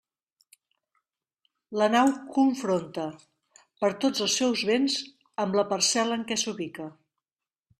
La nau confronta: per tots els seus vents, amb la parcel·la en què s'ubica.